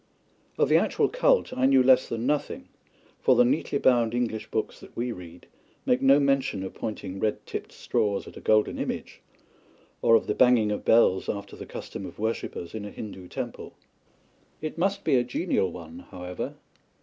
Of the actual cult I knew less than nothing; for the neatly bound English books that we read make no mention of pointing red tipped straws at a golden image, or of the banging of bells after the custom of worshippers in a Hindu temple. It must be a genial one, however.